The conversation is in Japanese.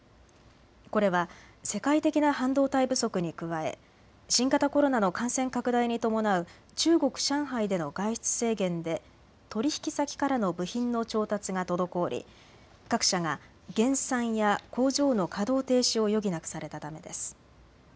これは世界的な半導体不足に加え新型コロナの感染拡大に伴う中国・上海での外出制限で取引先からの部品の調達が滞り各社が減産や工場の稼働停止を余儀なくされたためです。